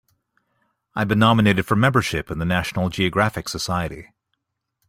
I've been nominated for membership in the National Geographic Society.